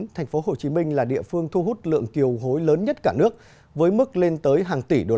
tp hcm là địa phương thu hút lượng kiều hối lớn nhất cả nước với mức lên tới hàng tỷ usd